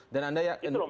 dan anda ya